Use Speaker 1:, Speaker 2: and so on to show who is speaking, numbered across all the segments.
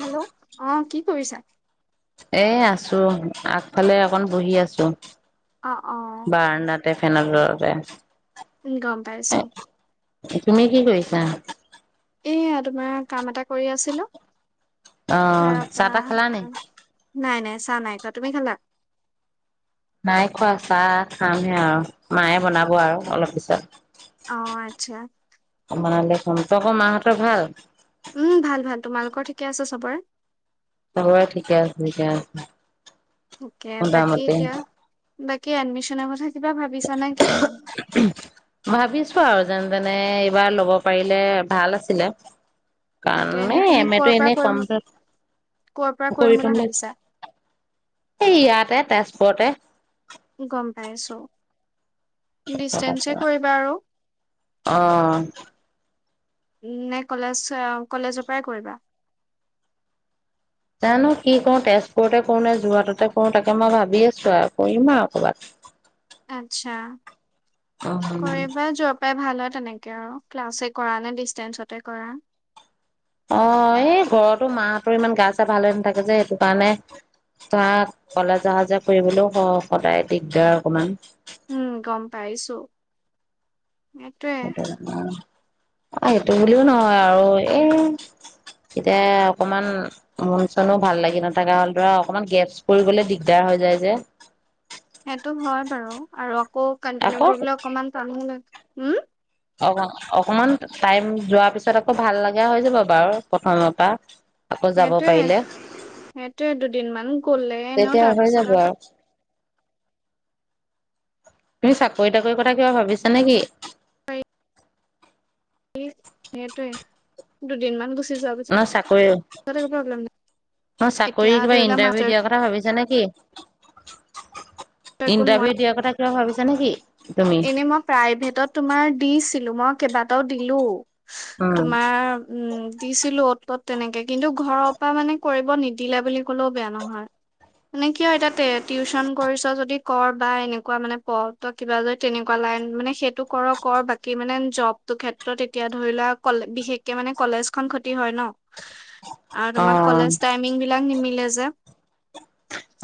Speaker 1: Hello অ', কি কৰিছা?
Speaker 2: এ আছোঁ, আগফালে অকন বহি আছোঁ।
Speaker 1: অ-অ-অ।
Speaker 2: এ ফেনৰ তলতে।
Speaker 1: উম গম পাইছো।
Speaker 2: তুমি কি কৰিছা?
Speaker 1: এয়া তোমাৰ কাম এটা কৰি আছিলো,
Speaker 2: অ চাহ তাহ খালা নি
Speaker 1: তাৰপৰা, নাই-নাই চা নাই খোৱা। তুমি খালা?
Speaker 2: নাই খোৱা চাহ খামহে আৰু মায়ে বনাব আৰু অলপ পিছত।
Speaker 1: অ', আতচা।
Speaker 2: সন্তকৰ মাহঁতৰ ভাল?
Speaker 1: উম, ভাল‌ ভাল তোমালোকৰ ঠিকে আছে চবৰে?
Speaker 2: সবৰে ঠিকে আছে ঠিকে আছে।
Speaker 1: অ', কে বাকী
Speaker 2: মোটামুটি
Speaker 1: এতিয়া? বাকী এডমিশ্যন কথা কিবা ভাবিছা নে কি তুমি
Speaker 2: [unintelligible] ভাবিছোঁ আৰু যেন যেনে এইবাৰ ল'ব পাৰিলে, ভাল আছিলে। কাম
Speaker 1: তাকে এনে
Speaker 2: এ
Speaker 1: তুমি
Speaker 2: এম এ
Speaker 1: কৰ
Speaker 2: টো
Speaker 1: পৰা
Speaker 2: এনেই
Speaker 1: কৰিম
Speaker 2: কম
Speaker 1: কৰ পৰা কৰিম
Speaker 2: কৰি থ'ম বুলি
Speaker 1: ভাবিছা
Speaker 2: ভাবিছোঁ। এই ইয়াতে তেজ [unintelligible] ওচৰতে।
Speaker 1: গম পাইছোঁ।
Speaker 2: [unintelligible] অ'হ
Speaker 1: নে কলেজ কলেজৰ পৰাই কৰিবা? [inaudible]
Speaker 2: জানো কি কৰো তেজপুৰতে কৰো নে যোৰহাটতে কৰো তাকে মই ভাবি আছো আৰু কৰিম আৰু কৰ'বাত!
Speaker 1: আচ্ছা।
Speaker 2: অ'
Speaker 1: [unintelligible]
Speaker 2: [unintelligible]
Speaker 1: য় ভাল হয় তেনেকে আৰু ক্লাছে কৰা নে ডিষ্টেঞ্চতে কৰা।
Speaker 2: অ, এই ঘৰতো মাঁহতৰ ইমান গা-চা ভাল হৈ নাথাকে যে সেইটো কাৰণে। ধৰা, কলেজ অহা-যোৱা কৰিবলৈও স সদায় দিগদাৰ অকমান।
Speaker 1: উম গম পাইছো। [inaudible] সেইটোৱে। [inaudible]
Speaker 2: এ সেইটো বুলিও নহয় আৰু, এ এতিয়া অকণমান মন চনো ভাল লাগি নথকা হ'ল, ধৰা অকণমান গেপছ পৰি গ'লে দিগদাৰ হৈ যায় যে।
Speaker 1: সেইটো হয় বাৰু আৰু আকৌ কন্টিনিউ
Speaker 2: আকৌ
Speaker 1: কৰিবলৈ অকমান টানো লা হ'ম?
Speaker 2: অক অকণমান টাইম যোৱাৰ পিছত আকৌ ভাল লগা হৈ যাব বাৰু প্ৰথম পৰা। আকৌ যাব
Speaker 1: সেইটোৱে,
Speaker 2: পাৰিলে।
Speaker 1: সেইটোয়ে দুদিনমান গ'লে এ ন
Speaker 2: তেতিয়া হৈ যাব
Speaker 1: তাৰপাছত আৰু।
Speaker 2: তুমি চাকৰি তাকৰিৰ কথা কিবা ভাবিছা নেকি?
Speaker 1: এ, সেইটোৱে, দুদিনমান গুছি
Speaker 2: ন চাকৰি,
Speaker 1: নাই।
Speaker 2: [inaudible] ন
Speaker 1: এতিয়া
Speaker 2: চাকৰি কিবা
Speaker 1: ধৰি লোৱা
Speaker 2: ইন্টাৰভিউ
Speaker 1: মাষ্টাৰ
Speaker 2: দিয়াৰ কথা ভাবিছো। যে নেকি? [inaudible]
Speaker 1: একো নোৱাৰা
Speaker 2: ইন্টাৰভিউ দিয়াৰ কথা কিবা ভাবিছা নেকি,, তুমি?
Speaker 1: ছিলো মই কেইবাটাও দিলো।
Speaker 2: উম,
Speaker 1: তোমাৰ উম। দিছিলো অ'ত তত তেনেকে কিন্তু ঘৰৰ পৰা মানে কৰিব নিদিলে বুলি ক'লেও বেয়া নহয়। মানে কিয় এতিয়াতে টিউচন কৰিছ যদি যদি কৰ বা এনেকুৱা মানে পঢ় কিবা যদি তেনেকুৱা লাইন মানে সেইটো কৰ কৰ বাকি মানে জবটো ক্ষেত্ৰত এতিয়া ধৰি লোৱা বিশেষকে মানে কলেজ খন ক্ষতি হয় ন' আৰু তোমাৰ
Speaker 2: অ',
Speaker 1: কলেজ টাইমিং বিলাক নিমিলে যে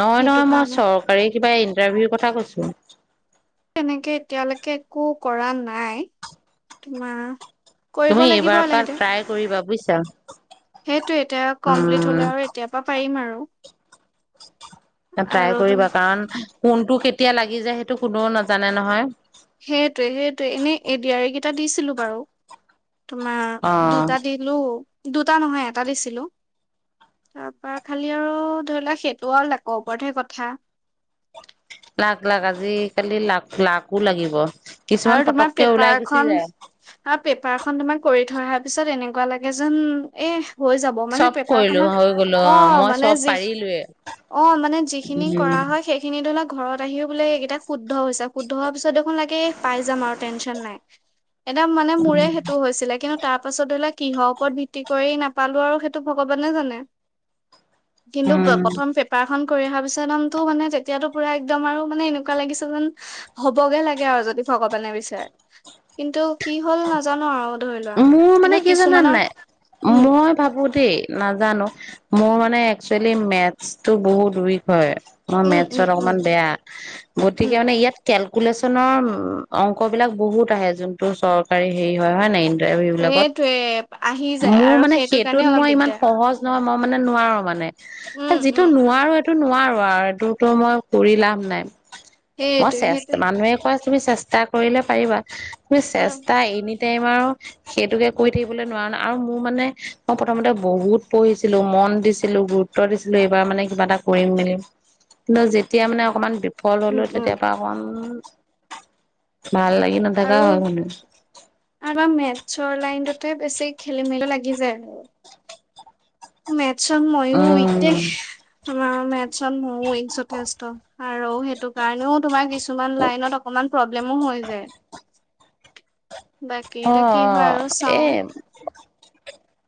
Speaker 2: নহয়
Speaker 1: সেইটো
Speaker 2: নহয় মই
Speaker 1: কাৰণে
Speaker 2: চৰকাৰী কিবা ইন্ টাৰভিওৰ কথা কৈছো।
Speaker 1: তেনেকে এতিয়ালৈকে একো কৰা নাই তোমাৰ কৰিব
Speaker 2: তুমি
Speaker 1: লাগিব
Speaker 2: এইবাৰ পৰা
Speaker 1: লাহে দৱে।
Speaker 2: ট্ৰাই কৰিবা বুজিছা,
Speaker 1: সেইটো এতিয়া কমপ্লিট
Speaker 2: উম,
Speaker 1: হলে আৰু এতিয়া পা পাৰিম আৰু। [inaudible] আৰু
Speaker 2: ট্ৰাই
Speaker 1: তুম-
Speaker 2: কৰিবা কাৰণ কোনটো কেতিয়া লাগ কি যে সেইটো কোনেও নাজানে নহয়।
Speaker 1: সেইটোৱে, সেইটোৱে। এনেই এ ডি আৰ ই কেইটা দিছিলো বাৰু। তোমাৰ
Speaker 2: অ'।
Speaker 1: দুটা দিলো দুটা নহয় এটা দিছিলো তাৰ পৰা খালি আৰু ধৰি লওক সেইটো আৰু লাকৰ ওপৰতহে কথা
Speaker 2: লাক-লাক, আজি কালি লাক-লাকো লাগিব। কিছুমান
Speaker 1: আৰু তোমাৰ
Speaker 2: পতককে ওলাই
Speaker 1: পেপাৰ
Speaker 2: গুচি
Speaker 1: খন
Speaker 2: যায়।
Speaker 1: আৰু পেপাৰ খন তোমাৰ কৰি থৈ অহা পিছত এনেকুৱা লাগে যেন এহ হৈ যাব মানে
Speaker 2: চব
Speaker 1: পেপাৰ
Speaker 2: কৰিলো হৈ গলো
Speaker 1: খনত অ'
Speaker 2: মই
Speaker 1: মানে
Speaker 2: চব
Speaker 1: যিখিনি
Speaker 2: পাৰিলোৱে।
Speaker 1: অ' মানে যিখিনি
Speaker 2: উম
Speaker 1: কৰা হয় সেইখিনি ধৰিলক ঘৰত আহিও বোলে এইকেইটা শুদ্ধ হৈছে শুদ্ধ হোৱাৰ পিছত দেখোন লাগে পাই যাম আৰু টেনশন নাই। একদম মানে মোৰে সেইটো হৈছিলে কিন্তু তাৰ পাছত ধৰি লওক কিহৰ ওপৰত ভিত্তি কৰি নাপালো আৰু সেইটো ভগৱানে জানে। কিন্তু
Speaker 2: উম
Speaker 1: প্ৰথম
Speaker 2: উম।
Speaker 1: পেপাৰখন কৰি অহা পিছত [unintelligible] মানে, তেতিয়াটো পোৰা একদম আৰু মানে এনেকুৱা লাগিছে যেন হ'বগে লাগে আৰু যদি ভগৱানে বিচাৰে। কিন্তু কি হ'ল নাজানো আৰু। ধৰি লোৱা
Speaker 2: মোৰ মানে
Speaker 1: কিন্তু
Speaker 2: কি জানান
Speaker 1: কিছুমানৰ
Speaker 2: নাই,
Speaker 1: উম
Speaker 2: মই ভাবো দেই না জানো, মোৰ মানে একচুৱেলি মেথছটো বহুত উইক হয়। মই
Speaker 1: উম
Speaker 2: মেথছত
Speaker 1: উম উম
Speaker 2: অকমান বেয়া, গতিকে
Speaker 1: উম
Speaker 2: মানে ইয়াত কেল [unintelligible] অংক বিলাক বহুত আহে যোনটো চৰকাৰী হেৰী হয়, হয় নাই?
Speaker 1: সেইটোৱে আহি যায়
Speaker 2: মোৰ
Speaker 1: আৰু
Speaker 2: মানে
Speaker 1: সেইটো কাৰণে
Speaker 2: সেইটোত
Speaker 1: অলপ
Speaker 2: মই ইমান
Speaker 1: দিগদাৰ
Speaker 2: সহজ নহয় মই মানে নোৱাৰো মানে
Speaker 1: উম
Speaker 2: এ
Speaker 1: উম
Speaker 2: যিটো
Speaker 1: উম
Speaker 2: নোৱাৰো সেইটো নোৱাৰো [unintelligible] মই কৰি লাভ নাই। মই
Speaker 1: সেইটোৱে সেইটো
Speaker 2: চেষ্ট, মানুহে কয় তুমি চেষ্টা কৰিলে পাৰিবা। [unintelligible]
Speaker 1: উম
Speaker 2: চেষ্টা এনিটাইম বাৰু সেইটোকে কৰি থাকিবলৈ নোৱাৰা ন আৰু মোৰ মানে মই প্ৰথমতে বহুত পঢ়িছিলো মন দিছিলো গুৰুত্ব দিছিলো এইবাৰ মানে কিবা এটা কৰিম মেলিম কিন্তু যেতিয়া মানে অকমান ফল
Speaker 1: উম
Speaker 2: হ'লো
Speaker 1: উম
Speaker 2: তেতিয়াৰ পৰা মন ভাল লাগি নথাকা
Speaker 1: আৰু
Speaker 2: হ'ল মানে
Speaker 1: [unintelligible] লাইন তোতে বেছি খেলি মেলিটো লাগি যায় আৰু মেট [unintelligible] মইয়ো
Speaker 2: উম
Speaker 1: [unintelligible] মেথছত মইও যথেষ্ট আৰু সেইটো কাৰণেও তোমাৰ কিছুমান লাইনত অকমান প্ৰব্লেমো হৈ যায় বাকী
Speaker 2: অ'
Speaker 1: এতিয়া কি হয়
Speaker 2: অ'
Speaker 1: আৰু
Speaker 2: এ
Speaker 1: চাওঁ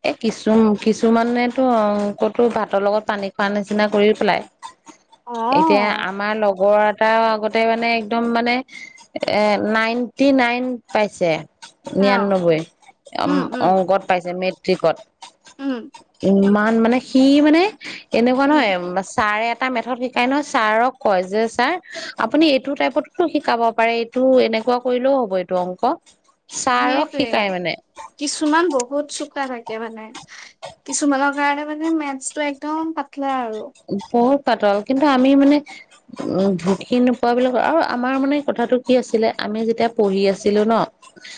Speaker 2: এ কিছু কিছুমানেতো অংকতো ভাতৰ লগত পানী খোৱা নিচিনা কৰি পেলাই
Speaker 1: অ
Speaker 2: এতিয়া আমাৰ লগৰ তাৰ আগতে মানে একদম মানে এ নাইন্টি নাইন পাইছে‌
Speaker 1: অ
Speaker 2: নিৰান্নব্বৈ অংকত
Speaker 1: উম উম
Speaker 2: পাইছে মেট্ৰিকত মেট্ৰিকত
Speaker 1: উম
Speaker 2: ইমান মানে সি মানে এনেকুৱা
Speaker 1: উম
Speaker 2: নহয় চাৰে এটা মেথত শিকাই নহয় ছাৰক কয় যে ছাৰ আপুনি এইটো টাইপততো শিকাব পাৰে এইটো এনেকুৱা কৰিলেও হ'ব এইটো অংক ছাৰক
Speaker 1: সেইটয়ে
Speaker 2: শিকাই মানে
Speaker 1: কিছুমান বহুত চোকা থাকে মানে, কিছুমানৰ কাৰণে মানে মেথছটো একদম [inaudible] আৰু
Speaker 2: বহুত পাতল, কিন্তু আমি মানে উম ঢুকি নোপোৱা বুলি বিলাকৰ আৰু আমাৰ মানে কথাটো কি আছিলে আমি যেতিয়া পঢ়ি আছিলো ন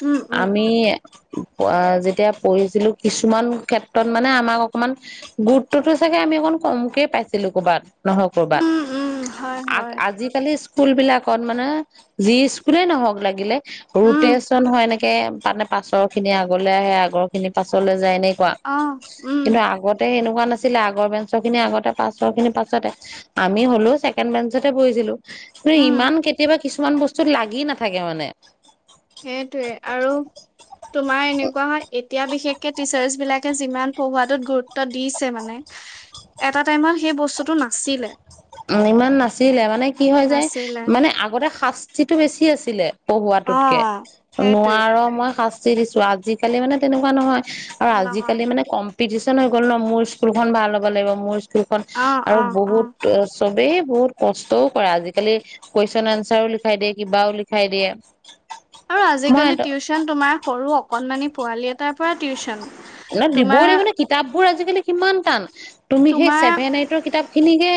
Speaker 1: উম উম
Speaker 2: আমি যেতিয়া পঢ়িছিলো কিছুমান ক্ষেত্ৰত মানে আমাক অকমান গুৰুত্বতটো চাগে আমি অকণ কমকে পাইছিলো কৰবাত নহয় কৰ'বাত
Speaker 1: উম উম হয়
Speaker 2: আ
Speaker 1: হয়
Speaker 2: আজিকালি স্কুল বিলাকত মানে যি স্কুলে নহওক লাগিলে
Speaker 1: উম
Speaker 2: ৰোটেচন হয় নেকি তে মানে পাছৰ খিনি আগলৈ আহে আগৰ খিনি পাছলৈ যায় এনে কোৱা
Speaker 1: অ উম
Speaker 2: কিন্তু আগতে সেনেকোৱা পোৱা নাছিলে আগৰেঞ্চৰ খিনি আগতে পাঁচ ছ খিনি পাছতে আমি হ'লেও ছেকেণ্ড বেঞ্চতে বহিছিলো। ত'
Speaker 1: উম
Speaker 2: ইমান কেতিয়াবা কিছুমান বস্তু [unintelligible] লাগি নাথাকে মানে
Speaker 1: সেইটোৱে আৰু তোমাৰ এনেকুৱা হয় এতিয়া বিশেষকে টিচাৰ্চ বিলাকে যিমান পঢ়োৱাটোত গুৰুত্ব দিছে মানে এটা টাইমত সেই বস্তুটো নাছিলে।
Speaker 2: [unintelligible] ইমান নাছিল। [unintelligible] মানে কি হয় যায়
Speaker 1: নাছিলে
Speaker 2: মানে আগতে শাস্তিটো বেছি আছিলে পঢ়ুৱটোতকে
Speaker 1: অ', সেইটোৱে
Speaker 2: নোৱাৰ মই শাস্তি [unintelligible] আজিকালি মানে তেনেকুৱা নহয় আৰু
Speaker 1: অ', নহয়
Speaker 2: আজিকালি মানে কম পিটিচন হৈ গ'ল ন মোৰ স্কুলখন ভাল হ'ব লাগিব মোৰ সেইখন
Speaker 1: অ',
Speaker 2: আৰু
Speaker 1: অ',
Speaker 2: বহুত
Speaker 1: অ',
Speaker 2: চবেই বহুত কষ্টও কৰে আজিকালি কুৱেশন আনচাৰও লিখাই দিয়ে কিবাও লিখাই দিয়ে।
Speaker 1: আৰু আজিকালি
Speaker 2: মই
Speaker 1: টিউচন তোমাৰ সৰু অকনমানি পোৱালি এটাৰ পৰা টিউশচন
Speaker 2: [unintelligible] দিবই লাগিব ন কিতাপ বোৰ আজিকালি কিমান টান [unintelligible] তুমি সেই
Speaker 1: তোমাৰ
Speaker 2: ছেভেন এইটৰ কিতাপ খিনিকে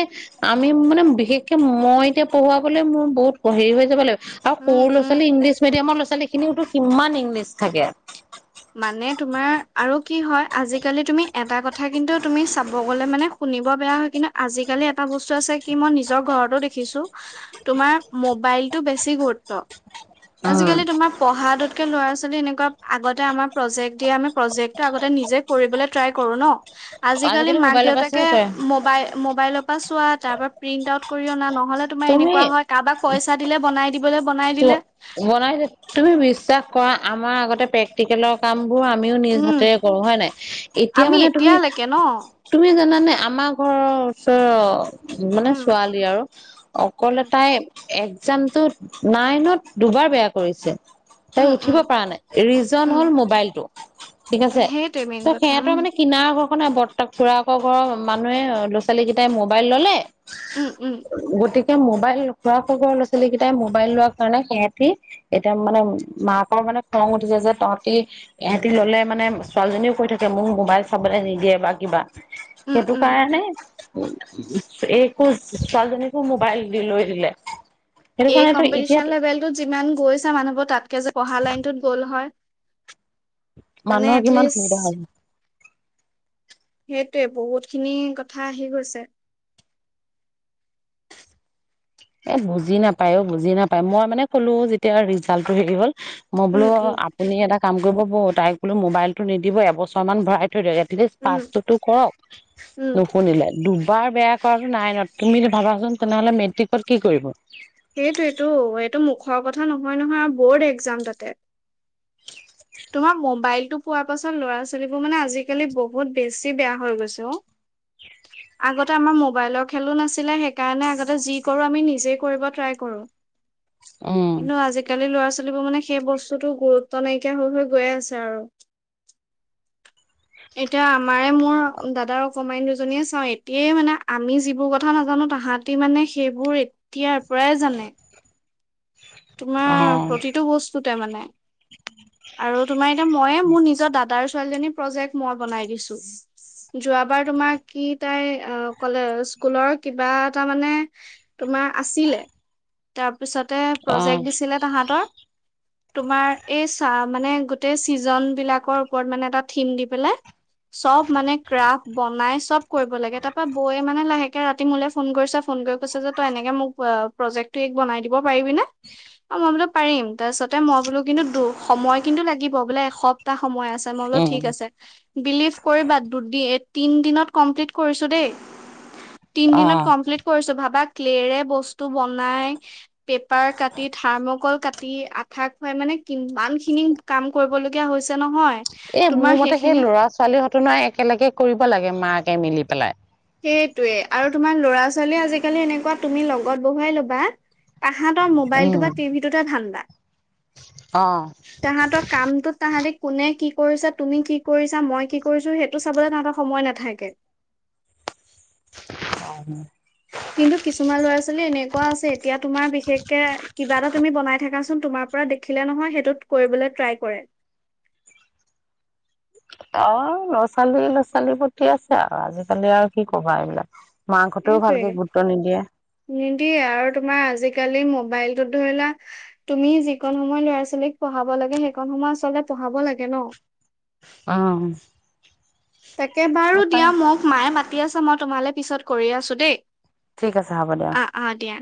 Speaker 2: আমি মানে বিশেষকে মই এতিয়া পঢ়ুৱাবলৈ মোৰ বহুত হেৰি হৈ যাব লাগিব। আৰু
Speaker 1: উম,
Speaker 2: সৰু'ৰা
Speaker 1: উম,
Speaker 2: ছাল ইংলিছ [unintelligible] ল'ৰা ছোৱালী খিনিটো কিমান ইংলিছ থাকে।
Speaker 1: মানে তোমাৰ আৰু কি হয় আজিকালি তুমি এটা কথা কিন্তু তুমি চাব গলে মানে শুনিব বেয়া হয় কিন্তু আজিকালি এটা বস্তু আছে কি মই নিজৰ ঘৰতো দেখিছো তোমাৰ মোবাইলতটো বেছি গুৰুত্ব
Speaker 2: উম
Speaker 1: আজিকালি তোমাৰ পঢ়াটোত ল'ৰা ছোৱালী এনেকুৱা আগত আমাৰ প্ৰজেক্ট দিয়ে আমি প্ৰজেক্টটো আগতে নিজে কৰিবলে ট্ৰাই কৰো ন আজিকালি মাক
Speaker 2: মোবাইলৰ পৰা
Speaker 1: দেউতাকে
Speaker 2: চাই কৰে
Speaker 1: মবাই মবাইলত চোৱা তাৰ পৰা প্ৰিন্ট আউট কৰি অনা ন নহ'লে তোমাৰ
Speaker 2: তুমি
Speaker 1: এনেকুৱা হয় কাৰোবাক [unintelligible] বনাই দিলে
Speaker 2: [unintelligible] তুমি বিশ্বাস কৰা আমাৰ আগতে প্ৰেক্টিকেলৰ কাম [unintelligible] আমিও নিজ
Speaker 1: উম
Speaker 2: হাতেৰে কৰো হয়ে নাই এতিয়া
Speaker 1: আমি
Speaker 2: মানে তুমি,
Speaker 1: এতিয়ালৈকে ন
Speaker 2: মানে আমাৰ ঘৰৰ ওচৰ মানে
Speaker 1: উম
Speaker 2: ছোৱালী আৰু
Speaker 1: উম
Speaker 2: [unintelligible] একজামতটো। নাইনত দুবাৰ বেয়া কৰিছে। তাই
Speaker 1: উম
Speaker 2: উঠিব
Speaker 1: উম
Speaker 2: পৰা নাই ৰিজন
Speaker 1: উম
Speaker 2: হল মোবাইলটো ঠিক আছে
Speaker 1: সেইটোৱে মেইন
Speaker 2: ত
Speaker 1: কথা
Speaker 2: সিহঁতৰ
Speaker 1: উম
Speaker 2: মানে কিনাৰৰ ঘৰ। নাই বৰতাক, খুৰাকৰ ঘৰৰ মানুহে ল'ৰা ছোৱালী কেইটাই মোবাইল ল'লে।
Speaker 1: উম উম
Speaker 2: গতিক। এ মোবাইল খ-খৰ ল'ৰা ছোৱালী‌ কেইটাই। মোবাইল লোৱা কাৰণে সিহঁতি এতিয়া মানে মাকৰ মানে খং উঠিছে যে তহঁতি সহঁতি ললে মানে ছোৱালীজনীও কৈ থাকে মোক মোবাইল চাবলৈ নিদিয়ে বা কিবা।
Speaker 1: উম
Speaker 2: সেইটো
Speaker 1: উম
Speaker 2: কাৰণে। এক একো ছোৱালজনী কো মোবাইল দি লৈ দিলে। সেইটো কাৰণে।
Speaker 1: কমম্পিটিচন লেভেলটোত যিমান গৈছা মানুহবোৰ তাতকে যে পঢ়া লাইনটোত গ'ল হয়। মানে
Speaker 2: মানুহৰ কিমান সুবিধা
Speaker 1: এটলিষ্ট
Speaker 2: হয়।
Speaker 1: সেইটোৱে বহুত খিনি কথা আহি গৈছে।
Speaker 2: এ বুজি নাপায় অ বুজি নাপায় মই মানে ক'লো যেতিয়া ৰিজাল্টটো হেৰি হ'ল। মই বোলো
Speaker 1: উম, উম,
Speaker 2: আপুনি এটা কাম কৰিব। তাই বোলো মোবাইলটো নিদিব এবছৰ মান ভৰাই। [unintelligible] এটলিষ্ট
Speaker 1: উম,
Speaker 2: পাছটো কৰক
Speaker 1: উম,
Speaker 2: নুশুনিলে দুবা। দুবাৰ বেয়া কৰাটো নাইনত, তুমি ভাবাচোন তেনেহ'লে মেট্ৰিক। কি কৰিব।
Speaker 1: খোৱা কথা নহয় নহয় আৰু বৰ্ড একজাম তাতে। পোৱা পাছত ল'ৰা ছোৱালীবোৰ মানে আজিকালি বহুত বেছি বেয়া হৈ গৈছ অ আগতে আমাৰ মোবাইলৰ খেলো নাছিলে সেইকাৰণে আগতে যি কৰো আমি নিজে কৰিব ট্ৰাই কৰো।
Speaker 2: অ',
Speaker 1: কিন্তু আজিকালি ল'ৰা ছোৱালী। ছোৱালীবোৰ মানে সেই বস্তুতো গুৰুত্ব নাই। গুৰুত্ব নাইকীয়া হৈ হৈ গৈয়ে আছে আৰু। এতিয়া আমাৰে মোৰ। দাদা আৰু অকমানী দুজনীয়ে চাও এতিয়াই মানে আমি যিবোৰ কথা নাজানো তাহাতি মানে সেইবোৰ এতিয়াৰ। প্ৰায় জানে। তোমাৰ
Speaker 2: অ',
Speaker 1: প্ৰতিটো বস্তু। মানে। আৰু তোমাৰ এতিয়া মইে মোৰ নিজৰ দাদাৰ। ছোৱালীজনীৰ প্ৰজেক্ট মই বনাই দিছো যোৱাবাৰ তোমাৰ কি তাই অ ক'লে স্কুলৰ কিবা এটা মানে তোমাৰ আছিলে তাৰ পিছতে। প্ৰজেক্ট দিছিলে তাহাঁতৰ। তোমাৰ এই চা মানে গোটেই চিজন বিলাকৰ ওপৰত মানে এটা থিম দি পেলাই। চব মানে ক্ৰাফ বনাই চব কৰিব লাগে তাৰ পা বৌয়ে মানে লাহে। তে ৰাতি মোলে ফোন কৰিছা ফোন কৰি কৈছে যে তই এনেকে মোক আ প্ৰজেক্টটো এইক‌ বনাই দিব পাৰিবি নে। অ', মই বোলো পাৰিম তাৰপিছতে মই বোলো কিন্তু দু-সময় কিন্তু লাগিব বোলে এসপ্তাহ সময় আছে, মই বোলো
Speaker 2: উম,
Speaker 1: ঠিক আছে বিলিভ কৰিবা দুদি তিন দিনত কমপ্লিট কৰিছোঁ দেই। তিন দিনত
Speaker 2: অ',
Speaker 1: কমপ্লিট কৰিছোঁ ভাবাক ক্লেৰে বস্তু বনাই পেপাৰ কাট থাৰ্মকল কাটি আঠা খুৱাই মানে কিমান খিনি কাম কৰিবলগীয়া হৈছে। নহয়।
Speaker 2: এ
Speaker 1: তোমাৰ
Speaker 2: মোৰ মতে সেই
Speaker 1: সেইখিনি
Speaker 2: ল'ৰা ছোৱালী হতে একেলগে কৰিব লাগে মাক, এ মিলি পেলাই।
Speaker 1: সেইটোৱে আৰু তোমাৰ ল'ৰা ছোৱালীয়ে আজিকালি এনেকুৱা তুমি লগত বহুৱাই ল'বা। তাহাঁতৰ
Speaker 2: উম,
Speaker 1: মোবাইলটো বা টিভিটোতে ধান্দা
Speaker 2: অ',
Speaker 1: তাহাঁতৰ কামটোত তাহাঁতি কোনে কি কৰিছা, তুমি কি কৰিছা, মই কি কৰিছো সেইটো চাবলৈ তাহাঁতৰ সময় নাথাকে।
Speaker 2: অ' [unintelligible]
Speaker 1: কিন্তু কিছুমান ল'ৰা ছোৱালী এনেকুৱা আছে কিন্তু কিছুমান ল'ৰা - ছোৱালী এনেকুৱা আছে এতিয়া তোমাৰ বিশেষকে কিবা এটা তুমি বনাই থাকাচোন তোমাৰ পৰা দেখিলে নহয় সেইটোত কৰিবলৈ ট্ৰাই কৰে।
Speaker 2: অ', ল'ৰা-ছোৱালী ল'ৰা-ছোৱালী প্ৰতি আছে আৰু আজিকালি আৰু কি ক'বা এইবিলাক। মাকহঁতেও ভালকে
Speaker 1: সেইটোৱে
Speaker 2: গুৰুত্ব নিদিয়ে
Speaker 1: নিদিয়ে আৰু তোমাৰ আজিকালি মোব মোবাইলটোত ধৰিলা তুমি যি কণ সময় ল'ৰা-ছোৱালীক পঢ়াব লাগে সেইকনণ সময় আচলতে পঢ়াব লাগে ন'।
Speaker 2: অ'
Speaker 1: তাকে বাৰু দিয়া মোক মায়ে মাতি, ঠিক আছে মই তোমালৈ পিছত কৰি আছো দেই।
Speaker 2: ঠিক আছে হ'ব দিয়া।
Speaker 1: আহ আহ দিয়া